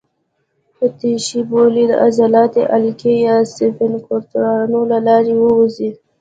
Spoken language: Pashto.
تشې بولې د عضلاتي حلقې یا سفینکترونو له لارې ووځي.